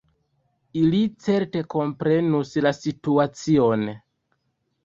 Ili certe komprenus la situacion.